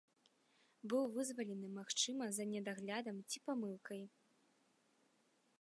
Быў вызвалены, магчыма, за недаглядам ці памылкай.